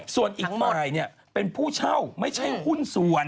ส่วนอีกฝ่ายเป็นผู้เช่าไม่ใช่หุ้นส่วน